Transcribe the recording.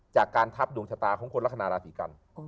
จากการทับดวงชะตาของคนลักษณะราศีกัน